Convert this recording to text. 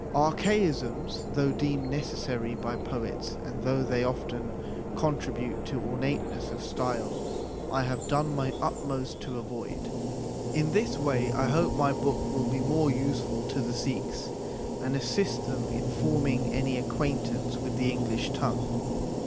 Archaisms, though deemed necessary by poets, and though they often contribute to ornateness of style, I have done my utmost to avoid. In this way I hope my book will be more useful to the Sikhs, and assist them in forming an acquaintance with the English tongue.